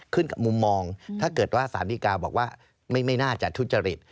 กับมุมมองถ้าเกิดว่าสารดีกาบอกว่าไม่น่าจะทุจริต